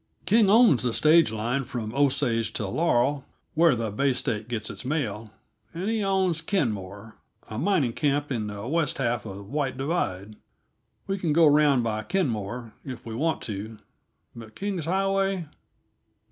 "King owns the stage line from Osage to Laurel, where the Bay State gets its mail, and he owns Kenmore, a mining camp in the west half uh White Divide. We can go around by Kenmore, if we want to but King's Highway?